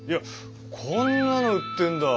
こんなの売ってんだ。